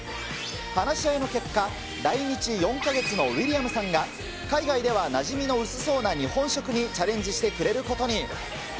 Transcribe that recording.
話し合いの結果、来日４か月のウィリアムさんが、海外ではなじみの薄そうな日本食にチャレンジしてくれることに。